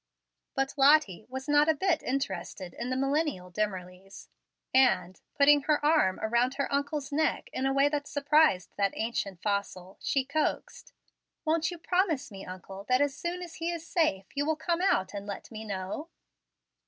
But Lottie was not a bit interested in the millennial Dimmerlys, and, putting her arms around her uncle's neck in a way that surprised that ancient fossil, she coaxed: "Won't you promise me, uncle, that as soon as he is safe you will come out and let me know?"